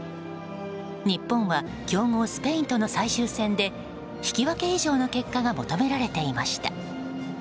日本は強豪スペインとの最終戦で引き分け以上の結果が求められていました。